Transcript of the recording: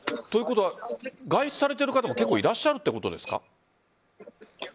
ということは外出される方もいらっしゃるということですか？